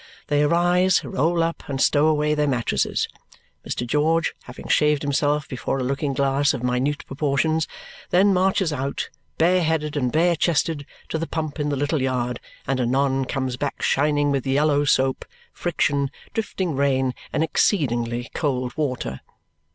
They arise, roll up and stow away their mattresses. Mr. George, having shaved himself before a looking glass of minute proportions, then marches out, bare headed and bare chested, to the pump in the little yard and anon comes back shining with yellow soap, friction, drifting rain, and exceedingly cold water.